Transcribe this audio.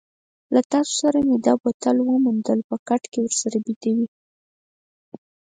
له تا سره مې دا بوتل وموندل، په کټ کې ورسره بیده وې.